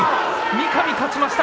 三上、勝ちました。